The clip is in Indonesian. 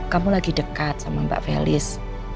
kamu lagi dekat sama mbak felis